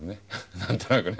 何となくね。